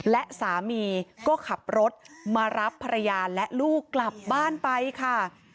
และสามีก็ขับรถมารับภรรยาและลูกกลับบ้านไปค่ะ